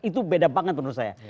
itu beda banget menurut saya